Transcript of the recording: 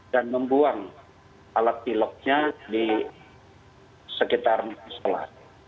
dan membuang alat piloknya di sekitar musola